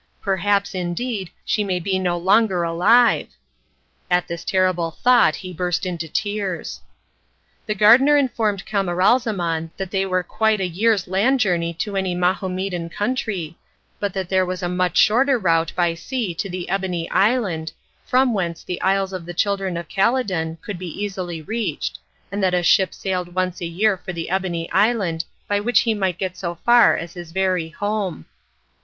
Perhaps, indeed, she may be no longer alive!" At this terrible thought he burst into tears. The gardener informed Camaralzaman that they were quite a year's land journey to any Mahomedan country, but that there was a much shorter route by sea to the Ebony Island, from whence the Isles of the Children of Khaledan could be easily reached, and that a ship sailed once a year for the Ebony Island by which he might get so far as his very home.